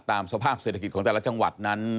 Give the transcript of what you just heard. สภาพเศรษฐกิจของแต่ละจังหวัดนั้น